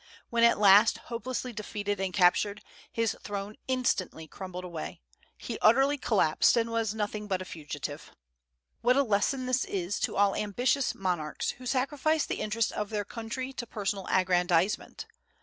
When at last hopelessly defeated and captured, his throne instantly crumbled away; he utterly collapsed, and was nothing but a fugitive. What a lesson this is to all ambitious monarchs who sacrifice the interest of their country to personal aggrandizement!